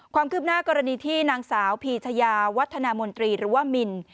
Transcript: ความคืบหน้ากรณีที่นางสาวพีชยาวัฒนามนตรีหรือว่ามิน